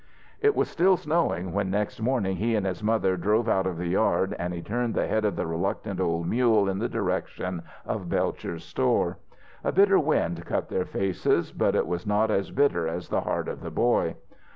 It was still snowing when next morning he and his mother drove out of the yard and he turned the head of the reluctant old mule in the direction of Belcher's store. A bitter wind cut their faces, but it was not as bitter as the heart of the boy.